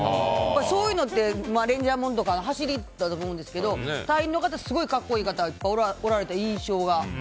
そういうのってレンジャーものとかの走りだったと思うんですけど隊員の方、すごい格好いい方いっぱいおられた印象が。